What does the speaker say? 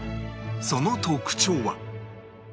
その特徴は